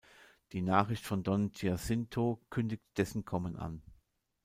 Die Nachricht von Don Giacinto kündigt dessen Kommen an.